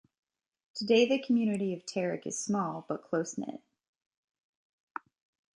Today the community of Terrick is small, but close-knit.